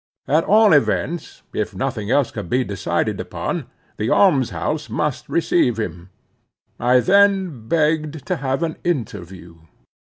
At all events, if nothing else could be decided upon, the alms house must receive him. I then begged to have an interview.